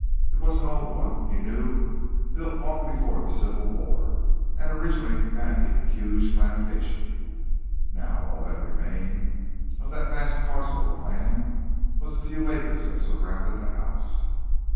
It was an old one, he knew, built long before the Civil War and originally commanding a huge plantation. Now, all that remained of that vast parcel of land was the few acres that surrounded the house.